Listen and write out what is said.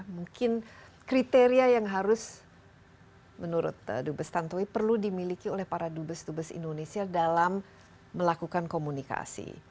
mungkin kriteria yang harus menurut dubes tantowi perlu dimiliki oleh para dubes dubes indonesia dalam melakukan komunikasi